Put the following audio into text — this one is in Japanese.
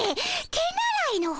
手習いの本？